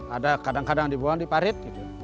ada kadang kadang dibuang diparit